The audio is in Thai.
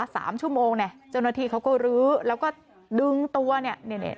สามชั่วโมงเนี่ยเจ้าหน้าที่เขาก็ลื้อแล้วก็ดึงตัวเนี่ยเนี่ย